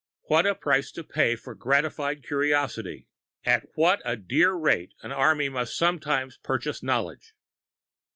What a price to pay for gratified curiosity! At what a dear rate an army must sometimes purchase knowledge!